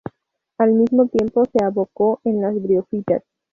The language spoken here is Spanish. Al mismo tiempo, se abocó en las briófitas.